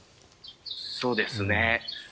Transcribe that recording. そうですね。